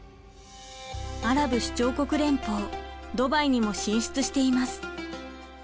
アラブ首長国連邦ドバイにも進出しています。